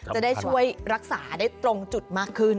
จะได้ช่วยรักษาได้ตรงจุดมากขึ้น